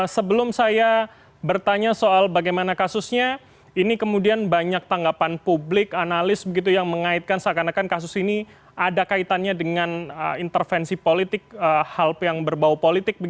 sebelum saya bertanya soal bagaimana kasusnya ini kemudian banyak tanggapan publik analis begitu yang mengaitkan seakan akan kasus ini ada kaitannya dengan intervensi politik hal yang berbau politik